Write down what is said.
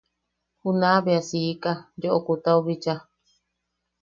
Junaʼa bea siika Yukutau bicha.